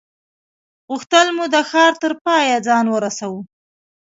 غوښتل مو د ښار تر پایه ځان ورسوو.